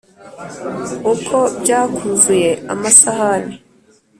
Ukwo byakuzuye amasahani!